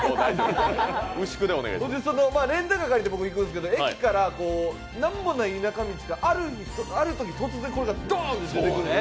レンタカー借りて行くんですけど、駅から何もない田舎町で、あるときこれがドーンと出てくるんです。